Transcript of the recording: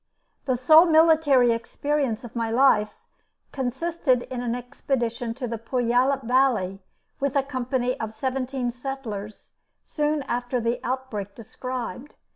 The sole military experience of my life consisted in an expedition to the Puyallup valley with a company of seventeen settlers soon after the outbreak described.